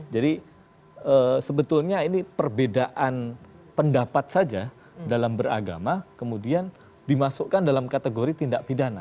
jadi sebetulnya ini perbedaan pendapat saja dalam beragama kemudian dimasukkan dalam kategori tindak pidana